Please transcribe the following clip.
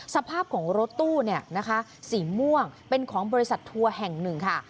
สภาพของรถตู้เนี่ยนะคะสีม่วงเป็นของบริษัททัวร์แห่งหนึ่งค่ะ